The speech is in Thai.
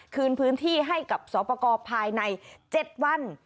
คืนพื้นที่ให้กับสอบประกอบภายใน๗วัน